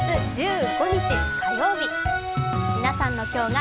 ２月１５日火曜日。